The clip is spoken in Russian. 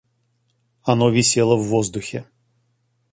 Оно висело в воздухе.